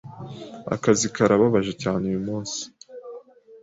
Akazi karababaje cyane uyumunsi. .